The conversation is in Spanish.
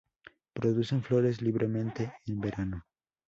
Producen flores libremente en verano.